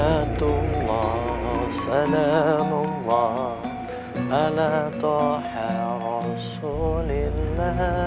salatullah salamullah ala ta'ha'usulillah